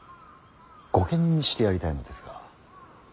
御家人にしてやりたいのですが。